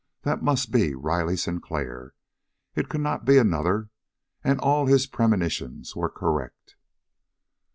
That must be Riley Sinclair. It could not be another, and all his premonitions were correct.